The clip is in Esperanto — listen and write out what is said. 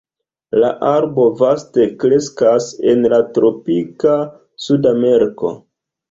La arbo vaste kreskas en la tropika Sudameriko.